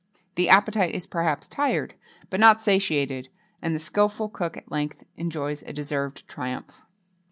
The appetite is perhaps tired, but not satiated; and the skilful cook at length enjoys a deserved triumph.